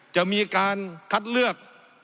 จะมีการคัดเลือก